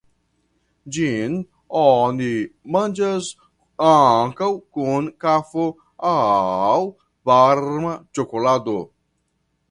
Ĝin oni manĝas ankaŭ kun kafo aŭ varma ĉokolado.